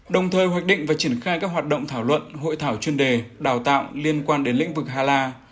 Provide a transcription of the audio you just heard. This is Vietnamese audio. đồng thời hoạch định và triển khai các hoạt động thảo luận hội thảo chuyên đề đào tạo liên quan đến lĩnh vực hà la